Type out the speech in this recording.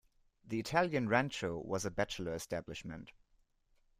The Italian rancho was a bachelor establishment.